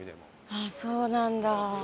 あっそうなんだ。